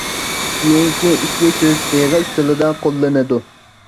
كېيىنكى ئىككى سۆز ئېغىز تىلىدا قوللىنىلىدۇ.